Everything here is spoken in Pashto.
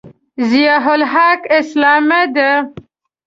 ضیأالحق اسلامه دی.